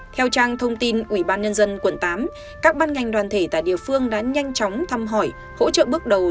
theo trang thông tin ủy ban nhân dân quận tám các ban ngành đoàn thể tại địa phương đã nhanh chóng thăm hỏi hỗ trợ bước đầu